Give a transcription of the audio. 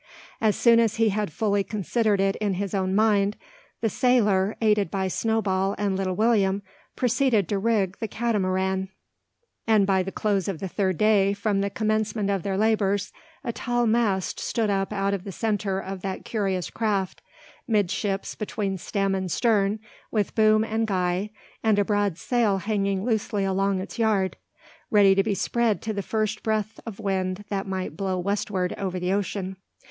As soon as he had fully considered it in his own mind, the sailor, aided by Snowball and Little William, proceeded to rig the Catamaran, and by the close of the third day from the commencement of their labours a tall mast stood up out of the centre of that curious craft, midships between stem and stern, with boom and guy, and a broad sail hanging loosely along its yard, ready to be spread to the first breath of wind that might blow westward over the ocean.